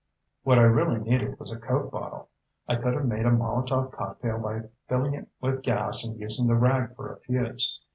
What I really needed was a Coke bottle. I could have made a Molotov cocktail by filling it with gas and using the rag for a fuse.